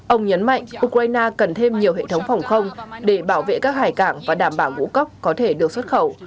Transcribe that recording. ông nhấn mạnh ukraine cần thêm nhiều hệ thống phòng không để bảo vệ các hải cảng và đảm bảo ngũ cốc có thể được xuất khẩu